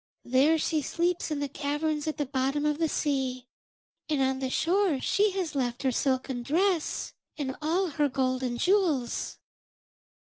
There she sleeps in the caverns at the bottom of the sea, and on the shore she has left her silken dress and all her gold and jewels.'